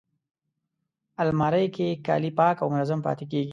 الماري کې کالي پاک او منظم پاتې کېږي